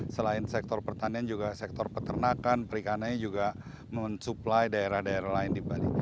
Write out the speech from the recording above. selain sektor pertanian juga sektor peternakan perikanannya juga mensuplai daerah daerah lain di bali